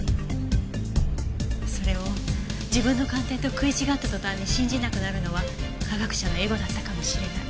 それを自分の鑑定と食い違った途端に信じなくなるのは科学者のエゴだったかもしれない。